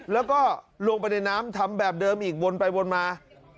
แล้วก็ลงไปในน้ำทำแบบเดิมอีกวนไปวนมา